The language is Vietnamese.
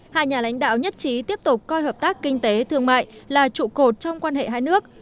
hai nhà lãnh đạo nhất trí tiếp tục coi hợp tác kinh tế thương mại là trụ cột trong quan hệ hai nước